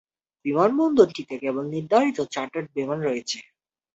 বিমানবন্দরটিতে কেবল নির্ধারিত চার্টার্ড বিমান রয়েছে।